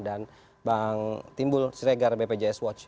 dan bang timbul sregar bpjs watch